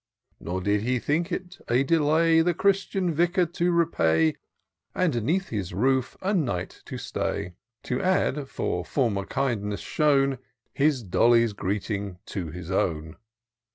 Nor did he think it a delay. The Christian Vicar to repay. And 'neath his roof a night to stay ; To add, for former kindness shown. His Dolly's greeting to his own.